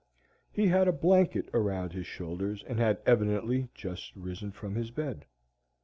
He had a blanket around his shoulders and had evidently just risen from his bed.